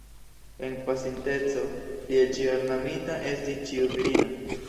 En pasinteco tiel ĉi ornamita estis ĉiu virino.